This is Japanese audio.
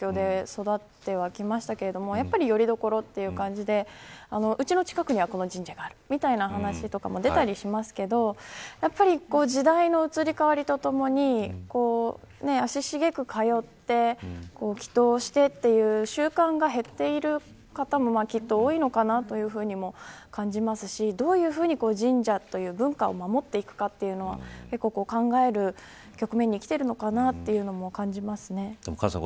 近くにたくさん神社がある環境で育ってはきましたけどやはりよりどころという感じでうちの近くにはこの神社があるみたいな話も出たりしますが時代の移り変わりとともに足しげく通って、祈祷してという習慣が減っている方もきっと多いのかなというふうにも感じますしどういうふうに神社という文化を守っていくかというのは考える局面にきているのかなカズさん